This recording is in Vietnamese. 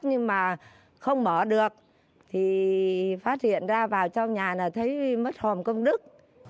nhưng mà không mở được thì phát hiện ra vào trong nhà là thấy mất hòm công đức